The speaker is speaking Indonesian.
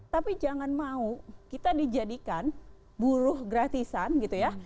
tapi jangan mau kita dijadikan buruh gratisan gitu ya